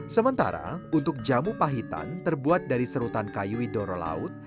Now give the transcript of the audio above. sementara untuk jamu pahitan terbuat dari serutan kayu widoro laut